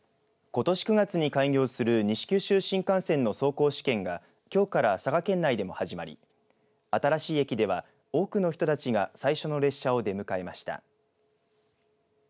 ことし９月に開業する西九州新幹線の走行試験がきょうから佐賀県内でも始まり新しい駅では多くの人たちが最初の列車を出迎えました。